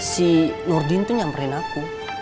si nordin tuh nyamperin aku